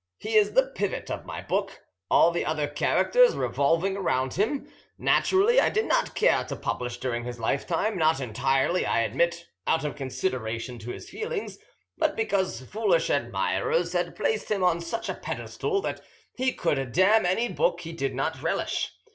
He is the pivot of my book, all the other characters revolving about him. Naturally, I did not care to publish during his lifetime; not entirely, I admit, out of consideration to his feelings, but because foolish admirers had placed him on such a pedestal that he could damn any book he did not relish.